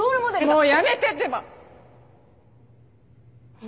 もうやめてってば！